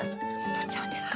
とっちゃうんですか？